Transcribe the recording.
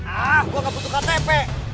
ah gue gak butuh ktp